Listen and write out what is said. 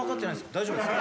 大丈夫ですか？